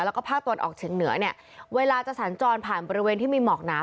แล้วก็ภาคตะวันออกเฉียงเหนือเนี่ยเวลาจะสัญจรผ่านบริเวณที่มีหมอกหนา